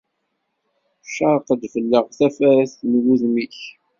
Cerq-d fell-aɣ tafat n wudem-ik!